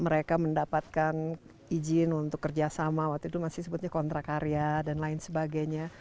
mereka mendapatkan izin untuk kerjasama waktu itu masih sebutnya kontrak karya dan lain sebagainya